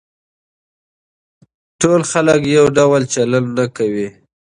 ټول خلک يو ډول نه چلن کوي.